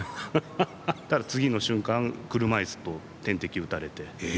そしたら、次の瞬間車いすと点滴、打たれて。